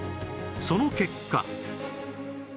その結果